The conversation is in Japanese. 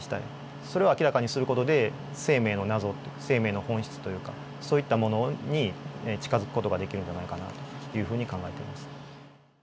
それを明らかにする事で生命の謎生命の本質というかそういったものに近づく事ができるんじゃないかなというふうに考えています。